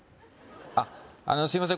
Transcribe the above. あっすいません